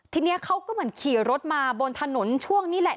ทีนี้เขาก็เหมือนขี่รถมาบนถนนช่วงนี้แหละ